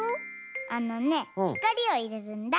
あのねひかりをいれるんだ。